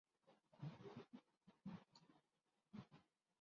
وولبر بچے کچھ بچے وولبر ہوتے ہیں۔